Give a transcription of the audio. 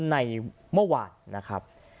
ในเมื่อวานนะครับ